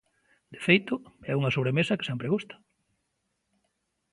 De feito, é unha sobremesa que sempre gusta.